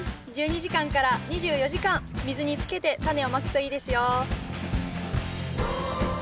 １２時間から２４時間水につけてタネをまくといいですよ。